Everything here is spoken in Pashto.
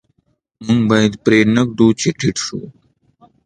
موږ باید پرې نه ږدو چې ټیټ شو.